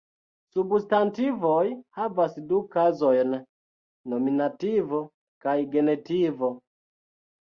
Substantivoj havas du kazojn: nominativo kaj genitivo.